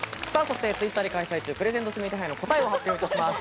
Ｔｗｉｔｔｅｒで開催中、プレゼント指名手配の答えを発表いたします。